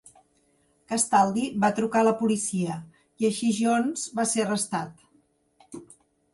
Castaldi va trucar a la policia i així Jones va ser arrestat.